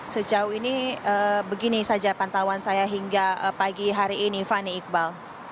sejauh ini begini saja pantauan saya hingga pagi hari ini fani iqbal